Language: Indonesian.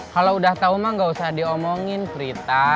kalo udah tau mah gak usah diomongin frita